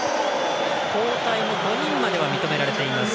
交代も５人までは認められています。